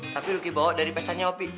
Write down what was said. tapi lo kaya bawa dari pesannya opi